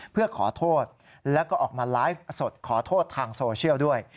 เพื่อขอโทษแล้วก็ออกมาไลฟ์สดขอโทษทางโซเชียลด้วย